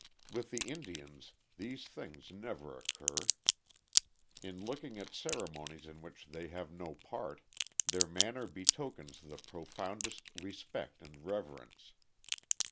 With the Indians these things never occur. In looking at ceremonies in which they have no part, their manner betokens the profoundest respect and reverence.